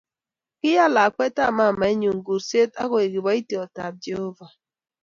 Kiyaan lakwetab mamaenyu kurset agoek kiboityotab jehovah